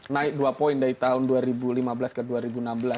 naik dua poin dari tahun dua ribu lima belas ke dua ribu enam belas